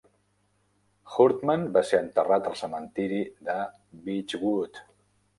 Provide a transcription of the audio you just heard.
Hurdman va ser enterrat al cementiri de Beechwood.